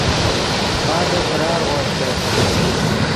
پادے خیلارغو استت